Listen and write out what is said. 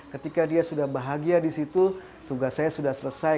ketika dia sudah bahagia di situ tugas saya sudah selesai